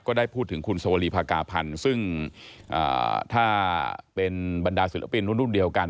ได้พูดถึงคุณสวรีภากาพันธ์ซึ่งถ้าเป็นบรรดาศิลปินรุ่นเดียวกัน